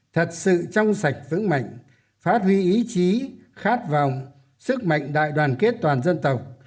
thật sự trong sạch vững mạnh phát huy ý chí khát vọng sức mạnh đại đoàn kết toàn dân tộc